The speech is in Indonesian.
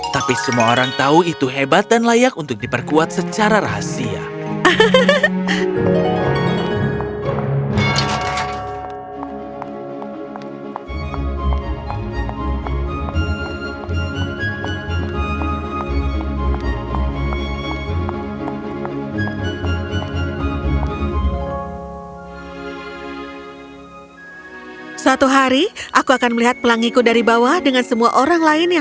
tapi semua orang tahu itu hebat dan layak untuk diperkuat secara rahasia